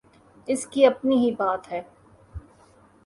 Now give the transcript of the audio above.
اس کی اپنی ہی بات ہے۔